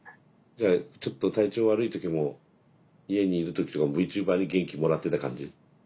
じゃあちょっと体調悪い時も家に居る時とかもＶＴｕｂｅｒに元気もらってた感じ？